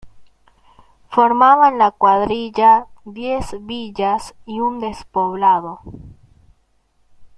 Formaban la cuadrilla diez villas y un despoblado.